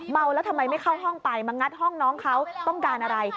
เมาแล้วทำไมไม่เข้าห้องไปมางัดห้องน้องเขาต้องการอะไร